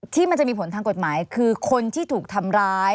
ที่มันจะมีผลทางกฎหมายคือคนที่ถูกทำร้าย